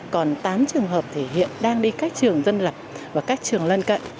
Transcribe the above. còn tám trường hợp thì hiện đang đi các trường dân lập và các trường lân cận